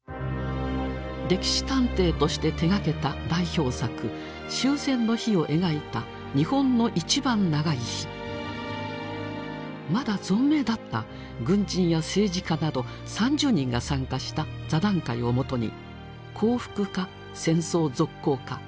歴史探偵として手がけた代表作終戦の日を描いたまだ存命だった軍人や政治家など３０人が参加した座談会をもとに降伏か戦争続行か。